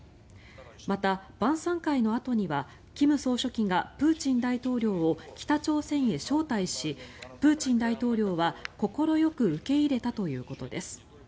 また、晩さん会のあとには金総書記がプーチン大統領を北朝鮮へ招待しプーチン大統領は快く受け入れたということです。